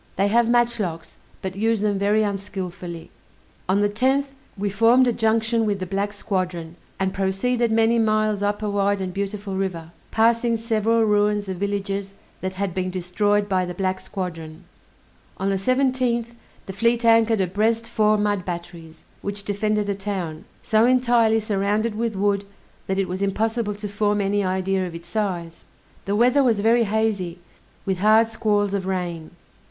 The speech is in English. They have match locks, but use them very unskillfully. On the 10th, we formed a junction with the black squadron, and proceeded many miles up a wide and beautiful river, passing several ruins of villages that had been destroyed by the black squadron. On the 17th, the fleet anchored abreast four mud batteries, which defended a town, so entirely surrounded with wood that it was impossible to form any idea of its size. The weather was very hazy, with hard squalls of rain.